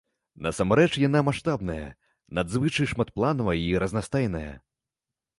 Насамрэч яна маштабная, надзвычай шматпланавая і разнастайная.